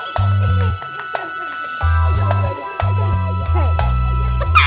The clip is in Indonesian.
putak putak putak